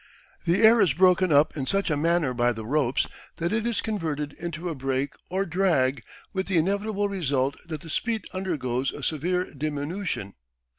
The air is broken up in such a manner by the ropes that it is converted into a brake or drag with the inevitable result that the speed undergoes a severe diminution.